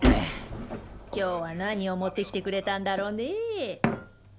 今日は何を持ってきてくれたんだろうね。